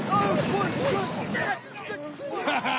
ハハハハ！